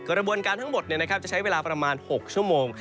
กระบวนการทั้งหมดจะใช้เวลาประมาณ๖ชั่วโมง